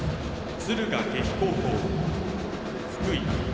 敦賀気比高校・福井。